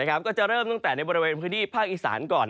ก็จะเริ่มตั้งแต่ในบริเวณพื้นที่ภาคอีสานก่อน